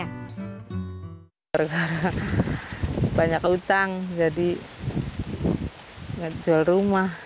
karena banyak utang jadi jual rumah